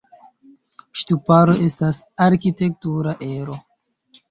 Ŝtuparo estas arkitektura ero.